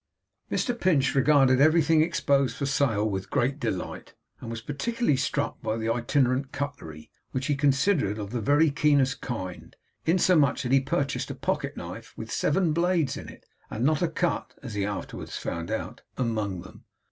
Mr Pinch regarded everything exposed for sale with great delight, and was particularly struck by the itinerant cutlery, which he considered of the very keenest kind, insomuch that he purchased a pocket knife with seven blades in it, and not a cut (as he afterwards found out) among them.